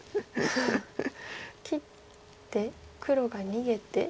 切って黒が逃げて。